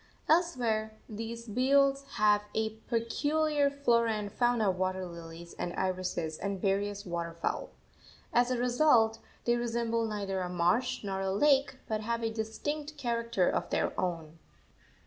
Elsewhere these beels have a peculiar flora and fauna of water lilies and irises and various water fowl. As a result, they resemble neither a marsh nor a lake, but have a distinct character of their own.